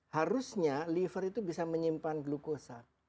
harusnya liver itu bisa menyimpan glukosa